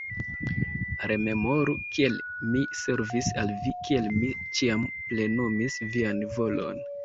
Rememoru, kiel mi servis al vi, kiel mi ĉiam plenumis vian volon.